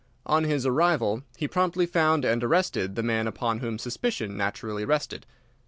On his arrival he promptly found and arrested the man upon whom suspicion naturally rested.